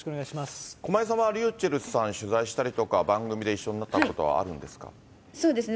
駒井さんは、ｒｙｕｃｈｅｌｌさん取材したりとか、番組で一緒になったことはそうですね。